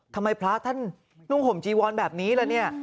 ทำไมพระท่านนุ่งห่มจีวอนแบบนี้ล่ะเนี่ย